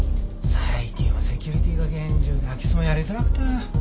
最近はセキュリティーが厳重で空き巣もやりづらくて。